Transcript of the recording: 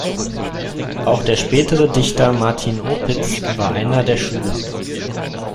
Auch der spätere Dichter Martin Opitz war einer der Schüler.